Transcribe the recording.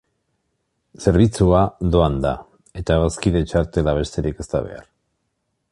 Zerbitzua doan da, eta bazkide-txartela besterik ez da behar.